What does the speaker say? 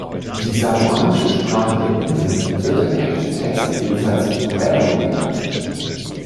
Die samoanische Sprache der Inseln wird in englischen Texten ebenfalls „Rennell“ genannt.